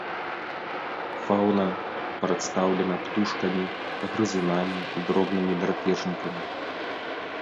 Фаўна прадстаўлена птушкамі, грызунамі, дробнымі драпежнікамі.